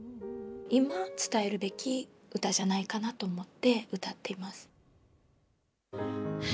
いま伝えるべき歌じゃないかなと思って歌っています。